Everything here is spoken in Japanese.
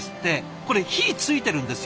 これ火ついてるんですよ